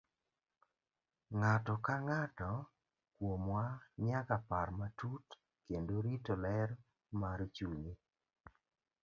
Ng'ato ka ng'ato kuomwa nyaka par matut kendo rito ler mar chunye.